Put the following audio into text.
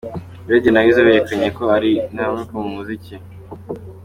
Radio na Weasel berekanye ko ari intarumikwa mu muziki.